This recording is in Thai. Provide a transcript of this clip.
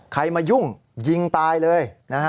ใครมายุ่งยิงตายเลย